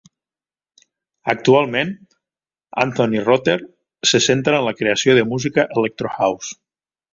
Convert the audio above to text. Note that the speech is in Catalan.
Actualment, Anthony Rother se centra en la creació de música electro house.